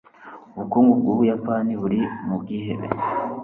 ubukungu bwubuyapani buri mu bwihebe